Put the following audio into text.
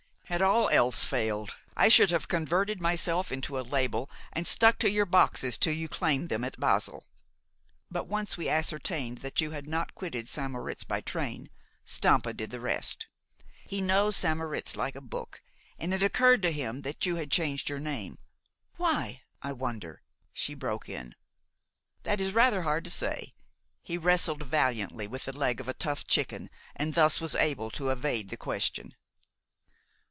Had all else failed, I should have converted myself into a label and stuck to your boxes till you claimed them at Basle; but once we ascertained that you had not quitted St. Moritz by train, Stampa did the rest. He knows St. Moritz like a book, and it occurred to him that you had changed your name " "Why, I wonder?" she broke in. "That is rather hard to say." He wrestled valiantly with the leg of a tough chicken, and thus was able to evade the question.